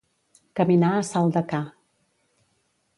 Caminar a salt de ca.